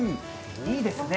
いいですね。